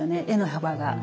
絵の幅が。